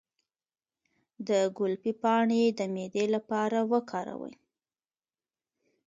د ګلپي پاڼې د معدې لپاره وکاروئ